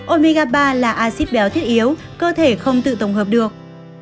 omega ba là acid béo thiết yếu cơ thể không tự tổng hợp được